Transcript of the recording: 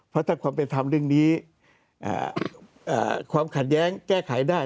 เพราะถ้าความเป็นธรรมเรื่องนี้ความขัดแย้งแก้ไขได้